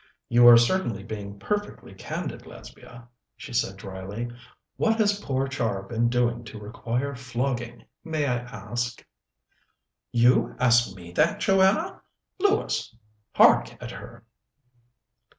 "You are certainly being perfectly candid, Lesbia," she said dryly. "What has poor Char been doing to require flogging, may I ask?" "You ask me that, Joanna! Lewis, hark at her!"